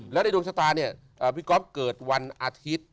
และในดวงชะตาพี่ก๊อฟเกิดวันอาทิตย์